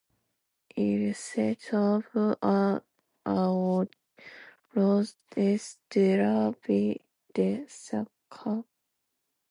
Il se trouve à à l'ouest de la ville de Čačak.